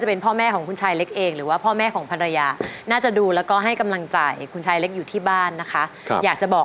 พ่อตาก็แกเป็นโรคก่อนเพลีย